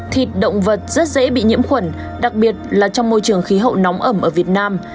thịt động vật rất dễ bị nhiễm khuẩn đặc biệt là trong môi trường khí hậu nóng ẩm ở việt nam